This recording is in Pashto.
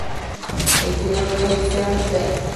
احتیاط ولې شرط دی؟